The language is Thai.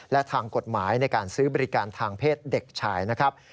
และทางกฎหมายในการซื้อบริการทางเพศเด็กชายนะครับ